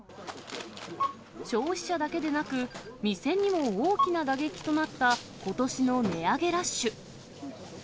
消費者だけでなく、店にも大きな打撃となったことしの値上げラッシュ。